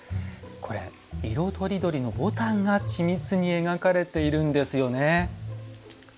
これは、色とりどりのぼたんが緻密に描かれているんですよね。